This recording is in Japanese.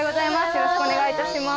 よろしくお願いします